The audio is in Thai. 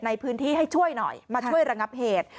ในพื้นที่ให้ช่วยหน่อยมาช่วยระงับเหตุ